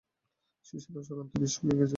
শিশুরা সাধারণত বীজ শুকিয়ে ভেজে খেতে পছন্দ করে।